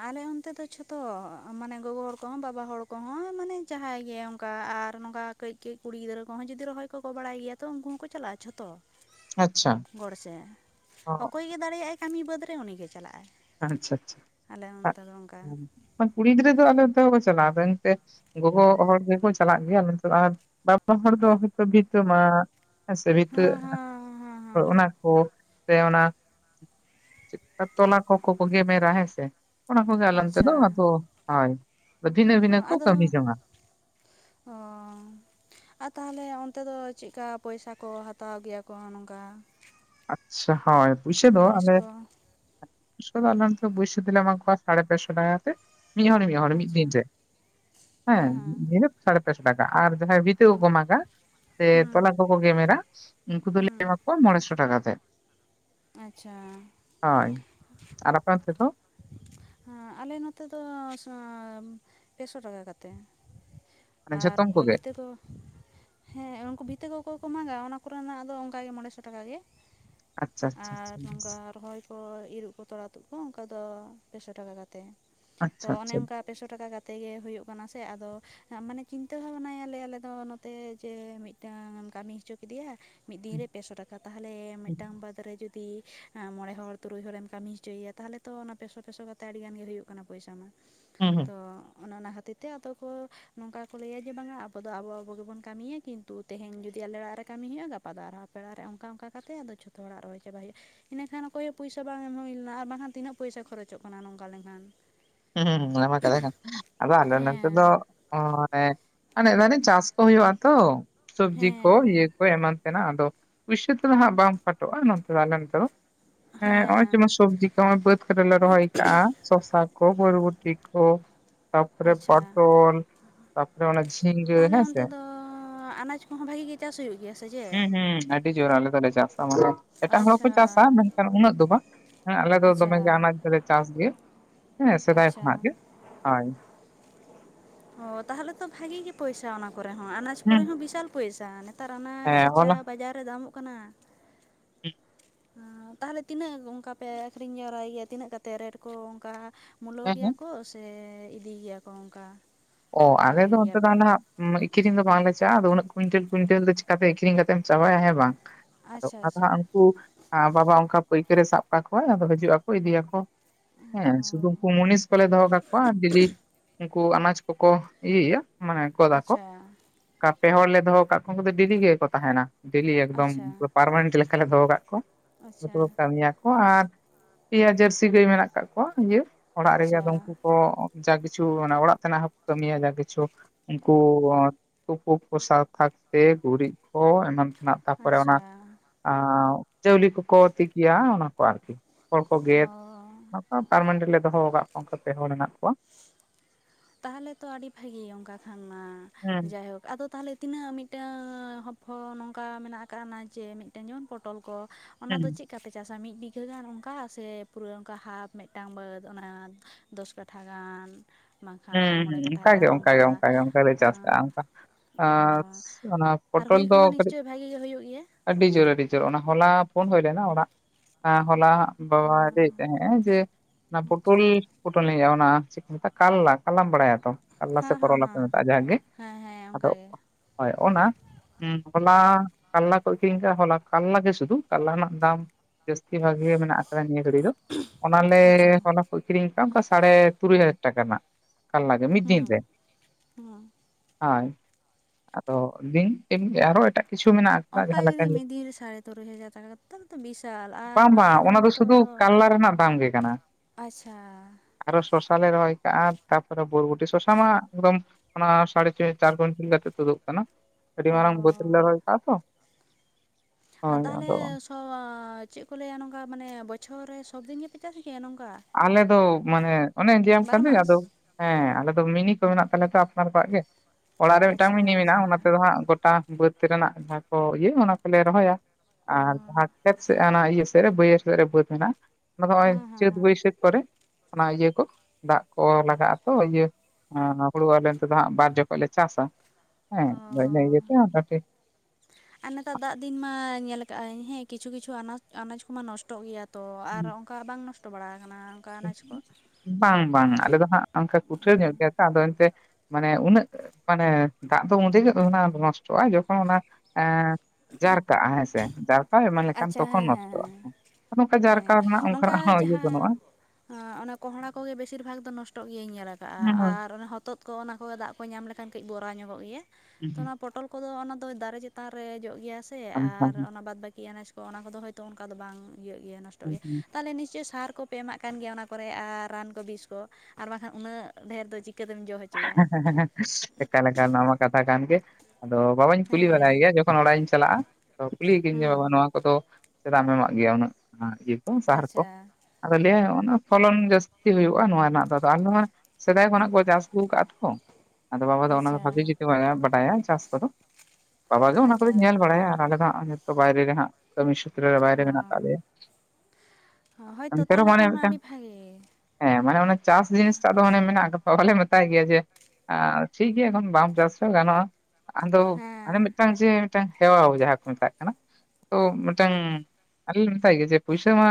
ᱟᱞᱮ ᱚᱱᱛᱮ ᱫᱚ ᱡᱷᱚᱛᱚ ᱢᱟᱱᱮ ᱜᱚᱜᱚ ᱦᱚᱲ ᱠᱚᱦᱚᱸ ᱵᱟᱵᱟ ᱦᱚᱲ ᱠᱚᱦᱚᱸ ᱢᱟᱱᱮ ᱡᱟᱦᱟᱸᱭ ᱜᱮ ᱚᱱ ᱠᱟ ᱟᱨ ᱱᱚᱝᱠᱟ ᱠᱟᱹᱡ ᱠᱟᱹᱡ ᱠᱩᱲᱤ ᱜᱤᱫᱽᱨᱟᱹ ᱠᱚᱦᱚᱸ ᱡᱩᱫᱤ ᱨᱚᱦᱚᱭ ᱠᱚᱠᱚ ᱵᱟᱲᱟᱭ ᱜᱮᱭᱟ ᱛᱚ ᱩᱱᱠᱩ ᱦᱚᱸᱠᱚ ᱪᱟᱞᱟᱜᱼᱟ ᱡᱷᱚᱛᱚ᱾ ᱟᱪᱪᱷᱟ ᱜᱚᱲ ᱥᱮ ᱚ ᱚᱠᱚᱭ ᱜᱮ ᱫᱟᱲᱮᱭᱟᱜᱼᱟᱭ ᱠᱟᱹᱢᱤ ᱵᱟᱹᱫᱽ ᱨᱮ ᱩᱱᱤ ᱜᱮᱭ ᱪᱟᱞᱟᱜᱼᱟᱭ᱾ ᱟᱪᱪᱷᱟ ᱟᱪᱪᱷᱟ ᱟᱞᱮ ᱚᱱᱛᱮ ᱫᱚ ᱚᱱᱠᱟ, ᱠᱩᱲᱤ ᱜᱤᱫᱽᱟᱹ ᱫᱚ ᱟᱞᱮ ᱚᱱᱛᱮ ᱦᱚᱸᱠᱚ ᱪᱟᱞᱟᱜᱼᱟ ᱟᱫᱚ ᱮᱱᱛᱮ ᱜᱚᱜᱚ ᱦᱚᱲ ᱜᱮᱠᱚ ᱪᱟᱞᱟᱜ ᱜᱮᱭᱟ ᱱᱚᱱᱛᱮ ᱟᱨ ᱵᱟᱵᱟ ᱦᱚᱲ ᱫᱚ ᱦᱚᱭᱛᱚ ᱵᱷᱤᱛᱟᱹ ᱢᱟᱜ, ᱦᱮᱸ ᱥᱮ ᱵᱷᱤᱛᱟᱹ ᱦᱮᱸ ᱦᱮᱸ ᱦᱮᱸ ᱦᱮᱸ ᱚᱱᱟ ᱠᱚ, ᱥᱮ ᱚᱱᱟ ᱛᱚᱞᱟ ᱠᱚᱦᱚᱸ ᱠᱚ ᱜᱮᱢᱮᱨᱟ ᱦᱮᱸᱥᱮ᱾ ᱚᱱᱟ ᱠᱚᱜᱮ ᱟᱞᱮ ᱚᱱᱛᱮᱫᱚ ᱟᱪᱪᱷᱟ ᱟᱫᱚ ᱦᱳᱭ ᱵᱷᱤᱱᱟᱹ ᱚ ᱵᱷᱤᱱᱟᱹ ᱠᱚ ᱟᱫᱚ ᱠᱟᱹᱢᱤ ᱡᱚᱝᱟ ᱚ, ᱟᱨ ᱛᱟᱦᱚᱞᱮ ᱚᱱᱛᱮ ᱫᱚ ᱪᱮᱫᱠᱟ ᱯᱚᱭᱥᱟ ᱠᱚ ᱦᱟᱛᱟᱣ ᱜᱮᱭᱟ ᱠᱚ ᱱᱚᱝᱠᱟ? ᱟᱪᱪᱷᱟ ᱦᱳᱭ ᱯᱩᱭᱥᱟᱹ ᱫᱚ ᱢᱩᱱᱤᱥ ᱟᱞᱮ ᱠᱚ ᱯᱩᱭᱥᱟᱹ ᱫᱚ ᱟᱞᱮ ᱱᱚᱛᱮ ᱫᱚ ᱯᱩᱭᱥᱟᱹ ᱫᱞᱮ ᱮᱢᱟ ᱠᱚᱣᱟ ᱥᱟᱲᱮ ᱯᱮᱥᱚ ᱴᱟᱠᱟ ᱠᱟᱛᱮ ᱢᱤᱫᱦᱚᱲ ᱢᱤᱫᱦᱚᱲ ᱾ ᱢᱤᱫ ᱦᱚᱲ ᱢᱤᱫ ᱟᱪᱪᱷᱟ ᱫᱤᱱ ᱨᱮ ᱦᱮᱸ ᱢᱤᱫ ᱫᱤᱱᱨᱮ ᱥᱟᱲᱮ ᱯᱮᱥᱚ ᱴᱟᱠᱟ ᱟᱨ ᱡᱟᱦᱟᱸᱭ ᱵᱷᱤᱛᱚᱹ ᱠᱚᱠᱚ ᱢᱟᱜᱟ, ᱥᱮ ᱦᱩᱸ ᱛᱚᱞᱟ ᱠᱚᱠᱚ ᱜᱮᱢᱮᱨᱟ ᱩᱱᱠᱩ ᱫᱚᱞᱮ ᱦᱩᱸ ᱮᱢᱟ ᱠᱚᱣᱟ ᱢᱚᱬᱮᱸ ᱥᱚ ᱴᱟᱠᱟ ᱠᱟᱛᱮ, ᱟᱪᱪᱷᱟ, ᱦᱳᱭ ᱟᱨ ᱟᱯᱮ ᱚᱱᱛᱮ ᱫᱚ ᱟᱞᱮ ᱱᱚᱛᱮ ᱫᱚ ᱥᱸ ᱯᱮᱥᱚ ᱴᱟᱠᱟ ᱠᱟᱛᱮᱫ ᱢᱟᱱᱮ ᱟᱨ ᱡᱷᱚᱛᱚᱢ ᱚᱠᱚᱭ ᱠᱚᱜᱮ ᱵᱷᱤᱛᱟᱹ ᱠᱚ ᱦᱮᱸ ᱩᱱᱠᱩ ᱵᱷᱤᱛᱟᱹ ᱠᱚ ᱚᱠᱚᱭ ᱠᱚ ᱢᱟᱜᱟ ᱚᱱᱟ ᱠᱚᱨᱮᱱᱟᱜ ᱫᱚ ᱚᱱᱠᱟ ᱜᱮ ᱢᱚᱬᱮᱸ ᱥᱚ ᱴᱟᱠᱟ ᱜᱮ᱾ ᱟᱪᱪᱷᱟ ᱟᱪᱪᱷᱟ ᱟᱪᱪᱷᱟ ᱟᱨ ᱵᱮᱥ, ᱱᱚᱝᱠᱟ ᱨᱚᱦᱚᱭ ᱠᱚ ᱤᱨᱚᱜ ᱠᱚ ᱛᱚᱲᱟ ᱛᱩᱫ ᱠᱚ ᱚᱱᱠᱟ ᱫᱚ ᱯᱮᱥᱚ ᱴᱟᱠᱟ ᱠᱟᱛᱮᱫ, ᱛᱚ ᱟᱪᱪᱷᱟ ᱚᱱᱮ ᱟᱪᱪᱷᱟ ᱚᱱᱠᱟ ᱯᱮᱥᱚ ᱴᱟᱠᱟ ᱠᱟᱛᱮ ᱜᱮ ᱦᱩᱭᱩᱜ ᱠᱟᱱᱟ ᱥᱮ ᱟᱫᱚ ᱢᱟᱱᱮ ᱪᱤᱱᱛᱟᱹ ᱵᱷᱟᱵᱱᱟᱭᱟᱞᱮ ᱟᱞᱮ ᱫᱚ ᱱᱚᱛᱮ ᱡᱮ ᱢᱤᱫ ᱴᱟᱝ ᱮᱢ ᱠᱟᱹᱢᱤ ᱦᱚᱪᱚ ᱠᱮᱫᱮᱭᱟ ᱢᱤᱫ ᱫᱤᱱ ᱦᱩᱸ ᱨᱮ ᱯᱮᱥᱚ ᱴᱟᱠᱟ ᱛᱟᱦᱚᱞᱮ ᱦᱩᱸ ᱢᱤᱫᱴᱟᱝ ᱵᱟᱫ ᱨᱮ ᱡᱩᱫᱤ ᱟᱸ ᱢᱚᱸᱬᱮ ᱦᱚᱲ ᱛᱩᱨᱩᱭ ᱦᱚᱲᱮᱢ ᱠᱟᱢᱤ ᱦᱚᱪᱚᱭᱮᱭᱟ ᱛᱟᱦᱟᱞᱮ ᱛᱚ ᱚᱱᱟ ᱯᱮᱥᱚ ᱯᱮᱥᱚ ᱠᱟᱛᱮ ᱟᱹᱰᱤ ᱜᱮ ᱦᱩᱭᱩᱜ ᱠᱟᱱᱟ ᱯᱩᱭᱥᱟ ᱢᱟ᱾ ᱦᱩᱸ ᱛᱚ ᱦᱩᱸ ᱚᱱᱮ ᱚᱱᱟ ᱠᱷᱟᱛᱤᱨ ᱛᱮ ᱟᱫᱚ ᱠᱚ ᱱᱚᱝᱠᱟ ᱠᱚ ᱞᱟᱹᱭᱟ ᱡᱮ ᱵᱟᱝᱟ ᱟᱵᱚ ᱫᱚ ᱟᱵᱚ ᱟᱵᱚ ᱜᱮᱵᱚᱱ ᱠᱟᱢᱤᱭᱟ ᱠᱤᱱ ᱛᱩ ᱛᱮᱦᱮᱧ ᱡᱩᱫᱤ ᱟᱞᱮ ᱚᱲᱟᱜ ᱨᱮ ᱠᱟᱢᱤ ᱦᱩᱭᱩᱜᱼᱟ ᱜᱟᱯᱟ ᱫᱚ ᱟᱨᱦᱚ ᱟᱯᱮ ᱚᱲᱟᱜ ᱨᱮ ᱚᱝᱠᱟ ᱚᱝᱠᱟ ᱠᱟᱛᱮ ᱟᱫᱚ ᱡᱷᱚᱛᱚ ᱦᱚᱲᱟᱜ ᱨᱚᱦᱚᱭ ᱪᱟᱵᱟ ᱦᱩᱭᱩᱜᱼᱟ᱾ ᱤᱱᱟᱹ ᱠᱷᱟᱱ ᱚᱠᱚᱭ ᱦᱚᱸ ᱯᱩᱭᱥᱟ ᱵᱟᱝ ᱮᱢ ᱦᱩᱭ ᱞᱮᱱᱟ ᱟᱨ ᱵᱟᱝᱠᱷᱟᱱ ᱛᱤᱱᱟᱹᱜ ᱯᱚᱭᱥᱟᱹ ᱠᱷᱚᱨᱚᱪᱚᱜ ᱠᱟᱱᱟ ᱱᱚᱝᱠᱟ ᱞᱮᱱᱠᱷᱟᱱ᱾ ᱦᱮᱸᱦᱮᱸ ᱚᱱᱟᱢᱟ ᱠᱟᱛᱷᱟ ᱠᱟᱱ, ᱟᱫᱚ ᱟᱞᱮ ᱱᱚᱛᱮ ᱫᱚ ᱦᱮᱸ ᱚᱻᱱᱮ ᱟᱱᱮᱡ ᱫᱷᱟᱱᱮᱡ ᱪᱟᱥ ᱠᱚ ᱦᱩᱭᱩᱜᱼᱟ ᱛᱚ᱾ ᱥᱚᱵᱽᱡᱤ ᱠᱚ ᱤᱭᱟᱹ ᱦᱮᱸ ᱠᱚ ᱮᱢᱟᱱ ᱛᱮᱱᱟᱜ ᱟᱫᱚ ᱯᱩᱭᱥᱟᱹ ᱛᱮᱫᱚ ᱦᱟᱸᱜ ᱵᱟᱢ ᱯᱷᱟᱴᱚᱜᱼᱟ ᱱᱚᱛᱮ ᱫᱚ ᱟᱞᱮ ᱱᱚᱛᱮ ᱫᱚ᱾ ᱦᱮᱸ ᱦᱚᱜᱼᱚᱭ ᱡᱮᱢᱚᱱ ᱥᱚᱵᱽᱡᱤ ᱠᱚ ᱵᱟᱹᱫᱽ ᱠᱚᱨᱮᱞᱮ ᱨᱚᱦᱚᱭ ᱟᱠᱟᱜᱼᱟ ᱥᱚᱥᱟ ᱠᱚ ᱵᱷᱚᱨᱵᱷᱚᱴᱤ ᱠᱚ ᱛᱟᱯᱚᱨᱮ ᱟᱪᱪᱷᱟ ᱯᱚᱴᱚᱞ ᱛᱟᱯᱚᱨᱮ ᱚᱱᱮ ᱡᱷᱤ ᱛᱟᱦᱚᱞᱮ ᱚᱱᱛᱮ ᱫᱚᱻ ᱟᱱᱟᱡ ᱠᱚᱷᱚᱸ ᱵᱷᱟᱜᱤ ᱜᱮ ᱪᱟᱥ ᱦᱩᱭᱩᱜ ᱜᱮᱭᱟ ᱥᱮ ᱪᱮᱫ? ᱦᱩᱸ ᱦᱩᱸ ᱟᱹᱰᱤ ᱡᱳᱨ ᱟᱞᱮ ᱫᱚᱞᱮ ᱪᱟᱥ ᱴᱮᱢᱟᱴᱟᱞ ᱮᱴᱟᱜ ᱦᱚᱲ ᱦᱟᱸᱠᱚ ᱟᱪᱪᱷᱟ ᱪᱟᱥᱟ ᱢᱮᱱᱠᱷᱟᱱ ᱩᱱᱟᱹᱜ ᱫᱚ ᱵᱟᱝ ᱦᱮᱸ ᱟᱞᱮ ᱫᱚ ᱟᱪᱪᱷᱟ ᱫᱚᱢᱮᱜᱮ ᱟᱱᱟᱪ ᱫᱚ ᱞᱮ ᱪᱟᱥ ᱜᱮᱭᱟ᱾ ᱦᱮᱸ ᱥᱮᱫᱟᱭ ᱟᱪᱪᱷᱟ ᱠᱷᱚᱱᱟᱜ ᱜᱮ ᱦᱳᱭ᱾ ᱚ ᱛᱟᱦᱟᱞᱮ ᱛᱚ ᱵᱷᱟᱜᱤ ᱜᱮ ᱯᱚᱭᱥᱟ ᱚᱱᱟ ᱠᱚᱨᱮ ᱦᱚᱸ ᱟᱱᱟᱡᱽ ᱠᱚᱨᱮ ᱦᱩᱸ ᱦᱚᱸ ᱵᱤᱥᱟᱞ ᱯᱚᱭᱥᱟ ᱚᱱᱮ ᱱᱤᱛᱟᱨ ᱟᱱᱟᱡᱽ ᱦᱮᱸ ᱡᱟ ᱵᱟᱡᱟᱨ ᱨᱮ ᱫᱟᱢᱚᱜ ᱠᱟᱱᱟ᱾ ᱦᱩᱸ ᱚᱸ ᱛᱟᱦᱟᱞᱮ ᱛᱤᱱᱟᱹᱜ ᱚᱱᱠᱟ ᱯᱮ ᱟᱹᱠᱷᱨᱤᱧ ᱡᱟᱣᱨᱟᱭ ᱜᱮᱭᱟ ᱛᱤᱱᱟᱹᱜ ᱠᱟᱛᱮᱫ ᱨᱮᱴᱠᱚ ᱚᱱᱠᱟ ᱢᱩᱞᱟᱹᱣ ᱦᱮᱸ ᱜᱮᱭᱟ ᱦᱮᱸ ᱠᱚ ᱥᱮ ᱤᱫᱤ ᱜᱮᱭᱟ ᱠᱚ ᱚᱱᱠᱟ? ᱚ ᱟᱞᱮ ᱫᱚ ᱟᱹᱠᱷᱨᱤᱧ ᱱᱚᱛᱮ ᱫᱚ ᱫ ᱜᱮᱭᱟᱯᱮ ᱱᱟᱦᱟᱜ ᱩᱸ ᱟᱹᱠᱷᱤᱧ ᱫᱚ ᱵᱟᱝᱞᱮ ᱪᱟᱞᱟᱜᱼᱟ ᱟᱫᱚ ᱩᱱᱟᱹᱜ ᱠᱩᱭᱱᱴᱮᱞ ᱠᱩᱭᱱᱴᱮᱞ ᱫᱚ ᱪᱤᱠᱟᱛᱮ ᱟᱹᱠᱷᱨᱤᱧ ᱠᱟᱛᱮᱢ ᱪᱟᱵᱟᱭᱟ ᱦᱮᱸ ᱵᱟᱝ᱾ ᱟᱫᱚ ᱟᱪᱪᱷᱟ ᱚᱱᱟ ᱫᱚ ᱟᱪᱪᱷᱟ ᱦᱟᱸᱜ ᱩᱱᱠᱩ ᱟᱸ ᱵᱟᱵᱟ ᱚᱱᱠᱟ ᱯᱟᱹᱭᱠᱟᱹᱨᱮ ᱥᱟᱵ ᱠᱟᱫ ᱠᱚᱣᱟᱭ ᱟᱫᱚ ᱦᱤᱡᱩᱜ ᱟᱠᱚ ᱤᱫᱤᱭᱟᱠᱚ᱾ ᱦᱮᱸ ᱚ ᱥᱩᱫᱩ ᱩᱱᱠᱩ ᱢᱩᱱᱤᱥ ᱠᱚᱞᱮ ᱫᱚᱦᱚᱸ ᱠᱟᱠᱚᱣᱟ ᱰᱮᱞᱤ ᱩᱱᱠᱩ ᱟᱱᱟᱡᱽ ᱠᱚᱠᱚ ᱤᱭᱟᱹᱭᱟ ᱢᱟᱱᱮ ᱜᱚᱫᱟᱠᱚ᱾ ᱟᱪᱪᱷᱟ ᱚᱱᱠᱟ ᱯᱮ ᱦᱚᱲ ᱞᱮ ᱫᱚᱦᱚ ᱠᱟᱜ ᱠᱚᱣᱟ ᱩᱱᱠᱩ ᱫᱚ ᱰᱮᱞᱤ ᱜᱮᱠᱚ ᱛᱟᱦᱮᱱᱟ ᱰᱮᱞᱤ ᱮᱠᱫᱚᱢ ᱟᱪᱪᱷᱟ ᱩᱱᱠᱩ ᱫᱚ ᱯᱟᱨᱢᱟᱱᱮᱴ ᱞᱮ ᱠᱟᱞᱮ ᱫᱚᱦᱚ ᱠᱟᱜ ᱠᱚᱣᱟ ᱩᱱᱠᱩ ᱟᱪᱪᱷᱟ ᱫᱚ ᱠᱟᱢᱤᱭᱟ ᱠᱚ ᱟᱨ ᱯᱤᱭᱟ ᱡᱟᱹᱨᱥᱤ ᱜᱟᱹᱭ ᱢᱮᱱᱟᱜ ᱠᱟᱜ ᱠᱚᱣᱟ ᱤᱭᱟᱹ ᱚᱲᱟᱜ ᱨᱮᱜᱮ ᱟᱪᱪᱷᱟ ᱟᱫᱚ ᱩᱱᱠᱩ ᱠᱚ ᱡᱟ ᱠᱤᱪᱷᱩ ᱚᱱᱮ ᱚᱲᱟᱜ ᱛᱮᱱᱟᱜ ᱦᱚᱸ ᱠᱟᱢᱤᱭᱟ ᱡᱟ ᱠᱤᱪᱷᱩ ᱩᱱᱠᱩ ᱚᱸ ᱛᱩᱯᱩ ᱠᱚ ᱥᱟᱶ ᱛᱷᱟᱠᱛᱮ ᱜᱩᱨᱤᱡ ᱠᱚ ᱮᱢᱟᱱ ᱛᱮᱱᱟᱜ᱾ ᱛᱟᱯᱚᱨᱮ ᱚᱱᱟ ᱟᱪᱪᱷᱟ ᱟᱸᱣ ᱪᱟᱣᱞᱤ ᱠᱚᱠᱚ ᱛᱤᱠᱤᱭᱟ ᱚᱱᱟ ᱠᱚ ᱟᱨᱠᱤ᱾ ᱦᱚᱲ ᱠᱚ ᱚ ᱜᱮᱫ ᱩᱱᱟᱹ ᱥᱟᱱᱛᱟᱲ ᱥᱟᱱᱛᱟᱲ ᱢᱟᱹᱱ ᱚᱞᱮ ᱫᱚᱦᱚ ᱟᱠᱟᱫ ᱠᱚᱣᱟ ᱚᱱᱠᱟ ᱯᱮ ᱦᱚᱲ ᱦᱮᱱᱟᱜ ᱠᱚᱣᱟ ᱛᱟᱦᱟᱞᱮ ᱛᱚ ᱟᱹᱰᱤ ᱵᱷᱟᱹᱜᱤ ᱚᱱᱠᱟ ᱠᱷᱟᱱ ᱢᱟ ᱦᱩᱸ ᱡᱟᱭᱦᱳᱠ ᱟᱫᱚ ᱛᱟᱦᱟᱞᱮ ᱛᱤᱱᱟᱹᱜ ᱢᱤᱫᱴᱟᱝ ᱦᱚᱯᱷᱚ ᱱᱚᱝᱠᱟ ᱢᱮᱱᱟᱜ ᱠᱟᱜ-ᱟ ᱡᱮ ᱢᱤᱫᱴᱮᱱ ᱡᱮᱢᱚᱱ ᱯᱚᱴᱚᱞ ᱠᱚ ᱚᱱᱟ ᱦᱩᱸ ᱫᱚ ᱪᱤᱠᱟ ᱯᱮ ᱪᱟᱥᱟ ᱢᱤᱫ ᱵᱤᱜᱷᱟᱹ ᱜᱟᱱ ᱚᱱᱠᱟ ᱥᱮ ᱯᱩᱨᱟᱹ ᱚᱱᱠᱟ ᱦᱟᱯ ᱢᱤᱫᱴᱟᱝ ᱵᱟᱹᱫᱽ ᱚᱱᱟ? ᱫᱚᱥ ᱠᱟᱴᱷᱟ ᱜᱟᱱ᱾ ᱵᱟᱝᱠᱷᱟᱱ ᱦᱩᱸ ᱢᱚᱬᱮ ᱦᱩᱸ ᱠᱟᱴᱷᱟ ᱚᱱᱠᱟᱜᱮ ᱜᱟᱱ ᱚᱱᱠᱟ ᱚᱱᱠᱟᱜᱮ ᱚᱱᱠᱟᱜᱮ ᱚᱱᱠᱟᱞᱮ ᱪᱟᱥ ᱠᱟᱜᱼᱟ ᱚᱱᱠᱟ ᱟᱸᱚᱻ᱾ ᱟᱨ ᱚᱱᱟ ᱟᱨ ᱯᱚᱴᱚᱞ ᱦᱩᱭ ᱫᱚ ᱠᱚᱦᱚᱸ ᱠᱟᱹᱴᱤᱡ ᱱᱤᱥᱪᱳᱭ ᱵᱷᱟᱜᱤ ᱜᱮ ᱦᱩᱭᱩᱜ ᱜᱮᱭᱟ᱾ ᱟᱹᱰᱤ ᱡᱳᱨ ᱟᱹᱰᱤ ᱡᱳᱨ ᱚᱱᱟ ᱦᱚᱞᱟ ᱯᱷᱳᱱ ᱦᱩᱭ ᱞᱮᱱᱟ ᱚᱲᱟᱜ ᱮᱸ ᱦᱚᱞᱟ ᱵᱟᱵᱟᱭ ᱞᱟᱹᱭᱮᱫ ᱛᱟᱦᱮᱸᱜ-ᱟ ᱡᱮ ᱚᱱᱟ ᱯᱤᱴᱚᱴᱳᱞ ᱟᱪᱪᱷᱟ ᱯᱳᱴᱳᱞᱤᱧ ᱞᱮᱭᱮᱜ-ᱥ ᱚᱱᱟ ᱪᱮᱠᱚ ᱢᱮᱛᱟᱜ ᱠᱟᱞᱞᱟ᱾ ᱠᱟᱞᱞᱟᱢ ᱵᱟᱲᱟᱭᱟ ᱛᱚ ᱠᱟᱞᱞᱟ ᱥᱮ ᱦᱮᱸ ᱦᱮᱸ ᱠᱚᱨᱚᱞᱟ ᱦᱮᱸ ᱢᱮᱛᱟᱜᱼᱟ ᱡᱟᱦᱟᱱᱟᱜᱮ ᱦᱮᱸ ᱦᱮᱸ ᱟᱫᱚ ᱚᱱᱠᱟᱜᱮ ᱦᱚᱭ ᱚᱱᱟ ᱦᱩᱸ ᱦᱚᱞᱟ ᱠᱟᱲᱞᱞᱞᱟ ᱠᱚ ᱟᱹᱠᱷᱨᱤᱧ ᱠᱟᱜ-ᱟ ᱦᱚᱞᱟ ᱠᱟᱞᱞᱟ ᱜᱮ ᱥᱩᱫᱷᱩ ᱠᱟᱞᱞᱟ ᱨᱮᱱᱟᱜ ᱫᱟᱢ ᱡᱟᱹᱥᱛᱤ ᱵᱷᱟᱜᱤ ᱢᱮᱱᱟᱜ ᱠᱟᱫᱟ ᱱᱤᱭᱟᱹ ᱜᱷᱟᱹᱲᱤ ᱫᱚ ᱚᱱᱟᱞᱮ ᱟᱪᱪᱷᱟ ᱦᱚᱞᱚ ᱠᱚ ᱟᱹᱠᱷᱨᱤᱧ ᱠᱟᱜ-ᱟ ᱚᱱᱠᱟ ᱥᱟᱲᱮ ᱛᱩᱨᱩᱭ ᱦᱟᱡᱟᱨ ᱴᱟᱠᱟ ᱨᱮᱱᱟᱜ ᱠᱟᱞᱞᱟᱜᱮ ᱢᱤᱫ ᱫᱤᱱ ᱦᱩᱸ ᱨᱮ᱾ ᱦᱩᱸ ᱦᱳᱭ ᱟᱫᱚ ᱫᱤᱱ ᱮᱢᱱᱤᱜᱮ ᱟᱨᱦᱚᱸ ᱮᱴᱟᱜ ᱠᱤᱪᱷᱩ ᱢᱮᱱᱟᱜ-ᱟ᱾ ᱚᱱᱠᱟ ᱡᱩᱫᱤ ᱢᱤᱫ ᱫᱤᱱ ᱨᱮ ᱥᱟᱲᱮ ᱛᱩᱨᱩᱭ ᱦᱟᱡᱟᱨ ᱴᱟᱠᱟ ᱠᱟᱛᱮᱫ ᱛᱟᱦᱟᱞᱮ ᱛᱚ ᱵᱤᱥᱟᱞ ᱟᱨ ᱢᱟᱨᱠᱮᱴ ᱨᱮ ᱱᱤᱛᱚᱜ ᱫᱚ ᱚᱠᱟ ᱨᱮᱱᱟᱜ ᱫᱟᱢ [inaudible] ᱟᱪᱪᱷᱟ᱾ ᱟᱨᱦᱚ ᱥᱚᱥᱟ ᱞᱮ ᱨᱚᱦᱚᱭ ᱟᱠᱟᱜᱼᱟ᱾ ᱛᱟᱯᱚᱨᱮ ᱵᱚᱨᱵᱩᱴᱤ ᱥᱚᱥᱟ ᱢᱟ ᱮᱠᱫᱚᱢ ᱚᱱᱟ ᱥᱟᱲᱮ ᱪᱚᱭ ᱪᱟᱨ ᱠᱩᱱᱴᱮᱞ ᱠᱟᱛᱮ ᱛᱩᱫᱩᱜ ᱠᱟᱱᱟ᱾ ᱟᱹᱰᱤ ᱚᱻ ᱢᱟᱨᱟᱝ ᱵᱟᱹᱛ ᱨᱮᱠᱮ ᱨᱚᱦᱚᱭ ᱠᱟᱜᱟ ᱛᱚ, ᱦᱳᱭ ᱛᱟᱦᱚᱞᱮ ᱟᱫᱚ ᱥᱚ ᱪᱮᱫ ᱠᱚ ᱞᱟᱹᱭᱟ ᱱᱚᱝᱠᱟ ᱢᱟᱱᱮ ᱵᱚᱪᱷᱚᱨ ᱨᱮ ᱥᱚᱵ ᱫᱤᱱ ᱜᱮᱯᱮ ᱪᱟᱥ ᱠᱮᱭᱟ ᱱᱚᱝᱠᱟ? ᱟᱞᱮ ᱫᱚ ᱢᱟᱱᱮ ᱚᱱᱮᱧ ᱞᱟᱹᱭᱟᱢ ᱵᱟᱨᱚ ᱠᱟᱱᱫᱚ ᱢᱟᱥ ᱟᱫᱚ ᱦᱮᱸ ᱟᱞᱮ ᱫᱚ ᱢᱤᱱᱤ ᱠᱚ ᱢᱮᱱᱟᱜ ᱛᱟᱞᱮᱭᱟ ᱛᱚ ᱟᱯᱱᱟᱨ ᱠᱚᱣᱟᱜ ᱜᱮ ᱚᱲᱟᱜ ᱨᱮ ᱢᱤᱫᱴᱟᱝ ᱟᱪᱪᱷᱟ ᱢᱤᱱᱤ ᱢᱮᱱᱟᱜᱼᱟ ᱟᱪᱪᱷᱟ ᱚᱱᱟ ᱛᱮᱫᱚ ᱦᱟᱸᱜ ᱜᱚ ᱜᱚᱴᱟ ᱵᱟᱹᱫᱽ ᱨᱮᱱᱟᱜ ᱡᱟᱦᱟᱸ ᱠᱚ ᱤᱭᱟᱹ ᱚᱱᱟ ᱠᱚᱞᱮ ᱨᱚᱦᱚᱭᱟ ᱚ ᱟᱨ ᱦᱚᱸ ᱡᱟᱦᱟᱸ ᱠᱷᱮᱛ ᱥᱮᱫ ᱚᱱᱟ ᱤᱭᱟᱹ ᱥᱮᱫ ᱨᱮ ᱵᱟᱹᱭᱦᱟᱹᱲ ᱥᱮᱫ ᱨᱮ ᱵᱟᱹᱫᱽ ᱢᱮᱱᱟᱜᱼᱟ ᱚᱱᱟ ᱫᱚ ᱦᱚᱸ ᱦᱚᱸ ᱪᱟᱹᱛ ᱦᱚᱸ ᱵᱟᱹᱭᱥᱟᱹ ᱠᱷᱮᱛ ᱠᱚᱨᱮ ᱚᱱᱟ ᱤᱭᱟᱹ ᱠᱚ ᱫᱟᱜ ᱠᱚ ᱞᱟᱜᱟᱜ ᱟᱛᱚ ᱤᱭᱟᱹ ᱦᱩᱲᱩ ᱟᱞᱮᱱ ᱛᱚ ᱦᱟᱜ ᱵᱟᱨ ᱡᱚᱠᱷᱚᱡ ᱞᱮ ᱪᱟᱥᱟ ᱦᱮᱸ ᱚᱻ ᱟᱫᱚ ᱤᱱᱟᱹ ᱤᱭᱟᱹᱛᱮ ᱢᱚᱴᱟ ᱟᱨ ᱱᱮᱛᱟᱨ ᱫᱟᱜ ᱫᱤᱱ ᱢᱟ ᱧᱮᱞ ᱠᱟᱡᱟᱹᱧ ᱦᱮᱸ ᱠᱤᱪᱷᱩ ᱠᱤᱪᱷᱩ ᱟᱱᱟ ᱟᱱᱟᱡᱽ ᱠᱚᱢᱟ ᱱᱚᱥᱴᱚᱜ ᱜᱮᱭᱟ, ᱛᱚ ᱟᱨ ᱚᱱᱠᱟ ᱵᱟᱝ ᱱᱚᱥᱴᱚ ᱵᱟᱲᱟ ᱟᱠᱟᱱᱟ᱾ ᱚᱱᱠᱟ ᱟᱱᱟᱡ ᱠᱚ ᱵᱟᱝ ᱵᱟᱝ ᱟᱞᱮ ᱫᱚ ᱦᱟᱸᱜ ᱚᱱᱠᱟ ᱠᱩᱴᱷᱟᱹ ᱧᱚᱜ ᱜᱮᱭᱟ ᱛᱚ ᱟᱫᱚ ᱮᱱᱛᱮ ᱢᱟᱱᱮ ᱩᱱᱟᱹᱜ ᱢᱟᱱᱮ ᱫᱟᱜ ᱫᱚ ᱩᱱᱫᱮᱜᱮ ᱱᱚᱥᱴᱚᱜᱼᱟ ᱡᱚᱠᱷᱚᱱ ᱚᱱᱟ ᱮ ᱡᱟᱨᱠᱟ ᱦᱮᱸ ᱥᱮ ᱡᱟᱨᱠᱟ ᱮᱢ ᱞᱮᱠᱷᱟᱱ ᱟᱪᱪᱷᱟ ᱛᱚᱠᱷᱚᱱ ᱦᱮᱸ ᱦᱮᱸ ᱱᱚᱥᱴᱚᱜᱼᱟ ᱦᱮᱸ ᱱᱚᱝᱠᱟ ᱡᱟᱨ ᱦᱮᱸ ᱠᱟᱨ ᱨᱮᱱᱟᱜ ᱱᱚᱝᱠᱟ ᱚᱱᱠᱟᱱᱟᱜ ᱦᱚᱸ ᱤᱭᱟᱹ ᱵᱟᱹᱱᱩᱜᱼᱟ᱾ ᱡᱟᱦᱟᱸ ᱚᱱᱟ ᱠᱚᱦᱲᱟ ᱠᱚᱜᱮ ᱵᱮᱥᱤᱨ ᱵᱷᱟᱜᱽ ᱫᱚ ᱱᱚᱥᱴᱚᱜ ᱜᱮᱤᱭᱟᱹᱧ ᱧᱮᱞ ᱟᱠᱟᱫᱼᱟ ᱦᱩᱸ ᱦᱩᱸ ᱟᱨ ᱚᱱᱮ ᱦᱚᱛᱚᱫ ᱠᱚ ᱚᱱᱟ ᱠᱚ ᱫᱟᱜ ᱠᱚ ᱧᱟᱢ ᱞᱮᱠᱷᱟᱱ ᱠᱟᱹᱡ ᱵᱚᱨᱟᱣ ᱧᱚᱜᱚᱜ ᱜᱮᱭᱟ ᱛᱚ ᱚᱱᱟ ᱯᱚᱴᱚᱞ ᱠᱚᱫᱚ ᱚᱱᱟ ᱫᱚ ᱫᱟᱨᱮ ᱪᱮᱛᱟᱱ ᱨᱮ ᱡᱚᱜ ᱜᱮᱭᱟ ᱥᱮ ᱦᱩᱸ ᱦᱩᱸ ᱟᱨ ᱦᱩᱸ ᱚᱱᱟ ᱵᱟᱫ ᱵᱟᱹᱠᱤ ᱟᱱᱟᱡᱽ ᱠᱚ ᱚᱱᱟ ᱠᱚᱫᱚ ᱦᱳᱭᱛᱳ ᱚᱱᱠᱟ ᱫᱚ ᱵᱟᱝ ᱤᱭᱟᱹᱜ ᱜᱮᱭᱟ ᱱᱚᱥᱴᱚᱜ ᱦᱩᱸ ᱜᱮᱭᱟ ᱦᱩᱸ ᱛᱟᱦᱚᱞᱮ ᱱᱤᱥᱪᱚᱭ ᱥᱟᱨ ᱠᱚ ᱯᱮ ᱮᱢᱟᱜ ᱠᱟᱱ ᱜᱮᱭᱟ ᱚᱱᱟ ᱠᱚᱨᱮ ᱟᱨ ᱨᱟᱱ ᱠᱚ ᱵᱤᱥ ᱠᱚ ᱟᱨ ᱵᱟᱝᱠᱷᱟᱱ ᱩᱱᱟᱹᱜ ᱰᱷᱮᱨ ᱫᱚ ᱪᱤᱠᱟᱹᱛᱮᱢ ᱡᱚ ᱦᱚᱪᱚᱭᱟ? [unintelligible] ᱮᱠᱟᱞ ᱮᱠᱟᱞ ᱱᱚᱣᱟ ᱢᱟ ᱠᱟᱛᱷᱟ ᱠᱟᱱ ᱜᱮ ᱟᱫᱚ ᱵᱟᱵᱟᱧ ᱠᱩᱞᱤ ᱦᱮᱸ ᱵᱟᱲᱟᱭᱟ ᱡᱚ ᱛᱚᱠᱷᱚᱱ ᱚᱲᱟᱜ ᱤᱧ ᱪᱟᱞᱟᱜᱼᱟ ᱛᱚ ᱠᱩᱞᱤᱭᱟᱸᱧ ᱡᱮ ᱵᱟᱵᱟ ᱦᱩᱸ ᱱᱚᱣᱟ ᱠᱚᱫᱚ ᱪᱮᱫᱟᱜ ᱮᱢᱟᱜ ᱜᱮᱭᱟ ᱩᱱᱟᱹᱜ? ᱦᱟ ᱤᱭᱟᱠᱚ ᱥᱟᱨ ᱠᱚ ᱟᱪᱪᱷᱟ ᱟᱫᱚ ᱞᱟᱹᱭ ᱚᱱᱟ ᱯᱷᱚᱞᱚᱱ ᱡᱟᱹᱥᱛᱤ ᱦᱩᱭᱩᱜᱼᱟ ᱱᱚᱣᱟ ᱨᱮᱱᱟᱜ ᱫᱚ ᱟᱞᱮᱦᱚ ᱥᱮᱫᱟᱭ ᱠᱷᱚᱱᱟᱜ ᱠᱚ ᱪᱟᱥ ᱟᱹᱜᱩᱣ ᱠᱟᱜᱼᱟ ᱛᱚ ᱟᱫᱚ ᱵᱟᱵᱟ ᱫᱚ ᱚᱱᱟ ᱫᱚ ᱟᱪᱪᱷᱟ ᱵᱷᱟᱜᱤ ᱡᱩᱫᱮ ᱵᱟᱰᱟᱭᱟ ᱪᱟᱥ ᱠᱚᱫᱚ ᱵᱟᱵᱟ ᱜᱮ ᱚᱱᱟ ᱠᱚᱫᱚ ᱟᱪᱪᱷᱟ ᱧᱮᱞ ᱵᱟᱲᱟᱭᱟ ᱟᱨ ᱟᱞᱮ ᱫᱚᱜ ᱡᱚᱛᱚ ᱵᱟᱭᱨᱮ ᱨᱮ ᱦᱟᱸᱜ ᱠᱟᱹᱢᱤ ᱥᱩᱛᱨᱚ ᱨᱮ ᱵᱟᱭᱨᱮ ᱢᱮᱱᱟᱜ ᱠᱟ ᱞᱮᱭᱟ ᱚ ᱦᱳᱭᱛᱚ ᱮᱱᱛᱮ ᱨᱮᱦᱚ ᱛᱟᱦᱚᱞᱮ ᱢᱟᱱᱮ ᱠᱷᱟᱱ ᱢᱟ ᱟᱹᱰᱤ ᱢᱤᱫᱴᱟᱝ ᱵᱷᱟᱜᱮ ᱦᱮᱸ ᱢᱟᱱᱮ ᱚᱱᱟ ᱪᱟᱥ ᱡᱤᱱᱤᱥᱴᱟ ᱫᱚ ᱚᱱᱮ ᱢᱮᱱᱟᱜ ᱟᱠᱟᱫ ᱛᱟᱦᱚᱞᱮ ᱢᱮᱛᱟᱭ ᱜᱮᱭᱟ ᱡᱮ ᱴᱷᱤᱠ ᱜᱮᱭᱟ ᱮᱠᱷᱚᱱ ᱵᱟᱢ ᱪᱟᱥᱚ ᱜᱟᱱᱚᱜᱼᱟ᱾ ᱟᱫᱚ ᱦᱮᱸ ᱢᱤᱫ ᱴᱟᱝ ᱡᱮ ᱢᱤᱫ ᱴᱟᱝ ᱦᱮᱣᱟ ᱡᱟᱦᱟᱸ ᱠᱚ ᱢᱮᱛᱟᱜ ᱠᱟᱱᱟ, ᱛᱚ ᱢᱤᱫᱴᱟᱝ ᱟᱞᱮ ᱞᱮ ᱢᱮᱛᱟᱭ ᱜᱮᱭᱟ ᱡᱮ ᱯᱩᱭᱥᱟ ᱢᱟ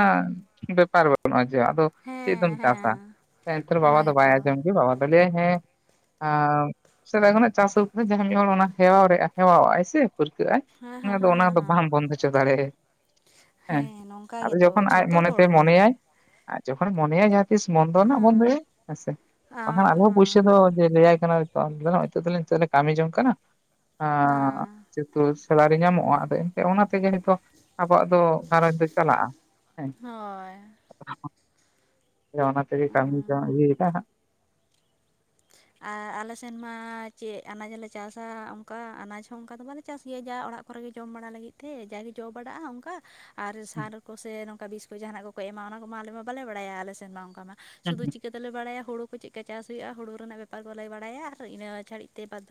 ᱵᱮᱯᱟᱨ ᱵᱟᱹᱱᱩᱜᱼᱟ ᱡᱮ ᱟᱫᱚ ᱪᱮᱫ ᱫᱚᱢ ᱦᱮᱸ ᱪᱟᱥᱟ ᱦᱮᱸ ᱚᱱᱟ ᱵᱟᱵᱟ ᱫᱚ ᱵᱟᱭ ᱜᱮᱛᱚ ᱟᱸᱡᱚᱢ ᱜᱮ ᱵᱟᱵᱟ ᱫᱚ ᱵᱚᱞᱮ ᱦᱮᱸ ᱥᱮᱫᱟᱭ ᱠᱷᱚᱱᱟᱜ ᱪᱟᱥ ᱟᱫᱚ ᱡᱟᱦᱟᱸᱭ ᱢᱤᱫ ᱦᱚᱲ ᱚᱱᱟ ᱦᱮᱣᱟᱣ ᱨᱮᱟᱭ ᱦᱮᱣᱟᱣ ᱥᱮ ᱯᱟᱹᱨᱠᱟᱹᱜ ᱟᱭ ᱦᱮᱸ ᱚᱱᱟ ᱦᱮᱸ ᱫᱚ ᱦᱮᱸ ᱚᱱᱟ ᱦᱮᱸ ᱫᱚ ᱦᱮᱸ ᱵᱟᱢ ᱵᱚᱱᱫᱚ ᱦᱚᱪᱚ ᱫᱟᱲᱮᱭᱟᱜ ᱦᱮᱸ ᱱᱚᱝᱠᱟ ᱟᱫᱚ ᱜᱮᱛᱚ ᱡᱚᱠᱷᱚᱱ ᱟᱡ ᱡᱷᱚᱛᱚ ᱢᱚᱱᱮ ᱦᱚᱲ ᱛᱮ ᱜᱮ ᱢᱚᱱᱮᱭᱟᱭ, ᱟᱨ ᱡᱚᱠᱷ ᱢᱚᱱᱮᱭᱟ ᱡᱟᱦᱟᱸ ᱛᱤᱥ ᱵᱚᱱᱫᱚ ᱨᱮᱱᱟᱜ ᱦᱮᱸ ᱵᱚᱱᱫᱭᱟᱭ ᱦᱮᱥᱮ᱾ ᱵᱟᱠᱷᱟᱱ ᱦᱮᱸ ᱟᱨᱦᱚᱸ ᱦᱮᱸ ᱯᱩᱭᱥᱟᱹ ᱫᱚ ᱦᱮᱸ ᱞᱟᱹᱭᱟᱭ ᱠᱟᱱᱟ, [unintelligible] ᱱᱤᱛᱚᱜ ᱫᱚᱞᱤᱧ ᱱᱤᱛᱚᱜ ᱫᱚᱞᱤᱧ ᱠᱟᱹᱢᱤ ᱡᱚᱝ ᱠᱟᱱᱟ ᱦᱮᱸ [unintelligible] ᱛᱚ ᱥᱮᱞᱟᱨᱤ ᱧᱟᱢᱚᱜᱼᱟ ᱥᱮ, ᱚᱱᱟ ᱛᱮᱜᱮ ᱱᱤᱛᱚᱜ ᱟᱵᱚᱣᱟᱜ ᱫᱚ ᱜᱷᱟᱨᱚᱸᱡᱽ ᱫᱚ ᱪᱟᱞᱟᱜᱼᱟ ᱦᱮᱸ᱾ ᱦᱳᱭ ᱚᱱᱟ ᱛᱮᱜᱮ ᱠᱟᱹᱢᱤ ᱫᱚ ᱤᱭᱮᱭ ᱫᱟ ᱦᱟᱸᱜ, ᱟᱨ ᱟᱞᱮ ᱥᱮᱱ ᱢᱟ ᱪᱮᱫ ᱟᱱᱟᱡᱽ ᱞᱮ ᱪᱟᱥᱟ ᱚᱱᱠᱟ ᱟᱱᱟᱡᱽ ᱦᱚᱸ ᱚᱱᱠᱟ ᱫᱚ ᱵᱟᱞᱮ ᱪᱟᱥ ᱜᱮᱭᱟ ᱡᱟ ᱚᱲᱟᱜ ᱠᱚᱨᱮ ᱜᱮ ᱡᱚᱢ ᱵᱟᱲᱟ ᱞᱟᱹᱜᱤᱫ ᱛᱮ ᱡᱟᱜᱮ ᱡᱚ ᱵᱟᱲᱟᱜᱼᱟ ᱚᱱᱠᱟ᱾ ᱟᱨ ᱥᱟᱨ ᱠᱚ ᱥᱮ ᱱᱚᱝᱠᱟ ᱵᱤᱥ ᱠᱚ ᱡᱟᱦᱟᱱᱟᱜ ᱠᱚᱠᱚ ᱮᱢᱟ ᱚᱱᱟ ᱠᱚᱢᱟ ᱟᱞᱮ ᱢᱟ ᱵᱟᱞᱮ ᱵᱟᱲᱟᱭᱟ ᱟᱞᱮ ᱥᱮᱱ ᱢᱟ ᱚᱱᱠᱟ ᱢᱟ ᱥᱩᱫᱷᱩ ᱪᱤᱠᱟᱹ ᱵᱟᱞᱮ ᱵᱟᱲᱟᱭᱟ ᱦᱩᱲᱩ ᱠᱚ ᱪᱮᱫᱠᱟ ᱪᱟᱥ ᱦᱩᱭᱩᱜᱼᱟ ᱦᱩᱲᱩ ᱨᱮᱱᱟᱜ ᱵᱮᱯᱟᱨ ᱫᱚᱞᱮ ᱵᱟᱲᱟᱭᱟ ᱟᱨ ᱤᱱᱟᱹ ᱪᱷᱟᱹᱲᱤᱡ ᱛᱮ ᱵᱟᱛ